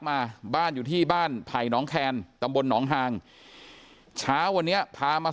มาบ้านอยู่ที่บ้านไผ่หนองแคนกว่าน้องห่างช้าวันนี้ภามา